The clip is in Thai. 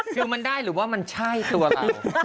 คือมันได้หรือว่ามันใช่ตัวเรา